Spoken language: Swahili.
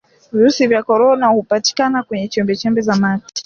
virusi vya korona hupatikana kwenye chembechembe za mate